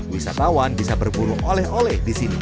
wisatawan bisa berburu oleh oleh di sini